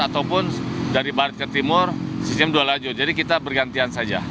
ataupun dari barat ke timur sistem dua laju jadi kita bergantian saja